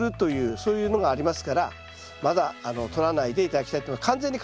そういうのがありますからまだ取らないで頂きたいと思います。